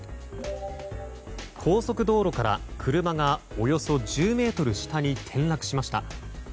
高速道路から車がおよそ１０ｍ下に転落しました。